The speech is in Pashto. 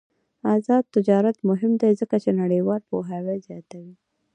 آزاد تجارت مهم دی ځکه چې نړیوال پوهاوی زیاتوي.